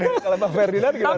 kalau pak ferdinand gimana